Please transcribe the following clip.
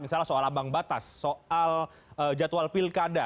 misalnya soal ambang batas soal jadwal pilkada